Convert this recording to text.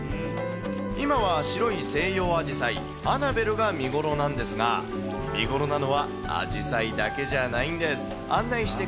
今は白い西洋アジサイ、アナベルが見頃なんですが、見頃なのはアジサイだけじゃないんです。